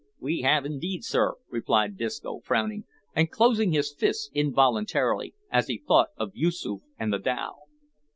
"We have indeed, sir," replied Disco, frowning, and closing his fists involuntarily, as he thought of Yoosoof and the dhow.